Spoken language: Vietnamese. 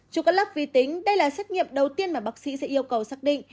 trong các lớp vi tính đây là xét nghiệm đầu tiên mà bác sĩ sẽ yêu cầu xác định